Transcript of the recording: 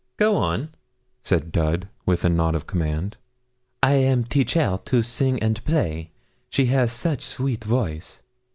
'Go on,' said Dud, with a nod of command. 'I am teach her to sing and play she has such sweet voice!